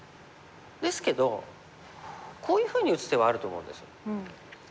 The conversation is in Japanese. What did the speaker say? ですけどこういうふうに打つ手はあると思うんです。